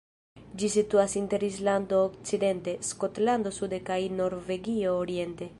Ĝi situas inter Islando okcidente, Skotlando sude kaj Norvegio oriente.